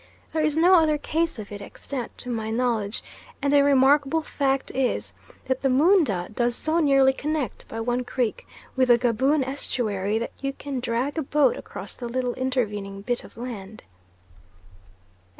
There is no other case of it extant to my knowledge, and a remarkable fact is, that the Moondah does so nearly connect, by one creek, with the Gaboon estuary that you can drag a boat across the little intervening bit of land.